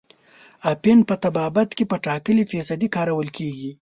اپین په طبابت کې په ټاکلې فیصدۍ کارول کیږي.